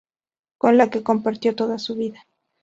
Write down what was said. Con la que compartió toda su vida.